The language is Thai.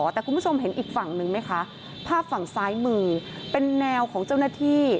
แต่คุณผู้ชมเห็นอีกฝั่งนึงไหมคะภาพฝั่งซ้ายมือเป็นแนวของเจ้าหน้าที่